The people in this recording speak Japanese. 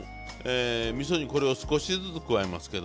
みそにこれを少しずつ加えますけども。